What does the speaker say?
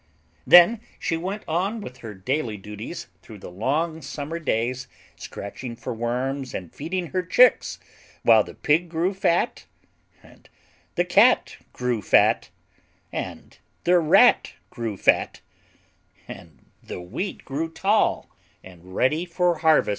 Then she went on with her daily duties through the long summer days, scratching for worms and feeding her chicks, while the Pig grew fat, and the Cat grew fat, and the Rat grew fat, and the Wheat grew tall and ready for harvest.